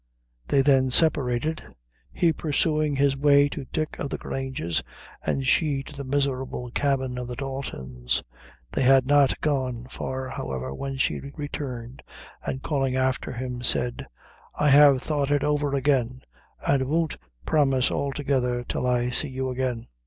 They then separated, he pursuing his way to Dick o' the Grange's, and she to the miserable cabin of the Daltons. They had not gone far, however, when she returned, and calling after him, said "I have thought it over again, and won't promise altogether till I see you again."